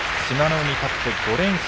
海勝って５連勝。